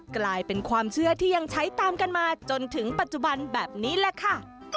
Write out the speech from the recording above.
กลายเป็นความเชื่อที่ยังใช้ตามกันมาจนถึงปัจจุบันแบบนี้แหละค่ะ